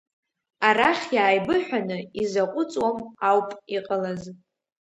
Арахь иааибыҳәаны изаҟәыҵуам ауп иҟалаз…